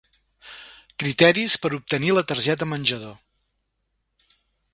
Criteris per obtenir la targeta menjador.